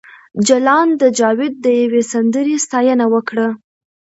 جلان د جاوید د یوې سندرې ستاینه وکړه